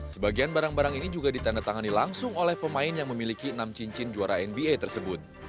sebagian barang barang ini juga ditandatangani langsung oleh pemain yang memiliki enam cincin juara nba tersebut